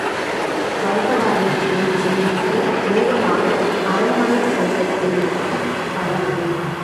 பயப்படாதே என்று சொல்லிவிட்டு வேகமாக அரண்மனைத்தோட்டத்தை நோக்கிப் பறந்தது.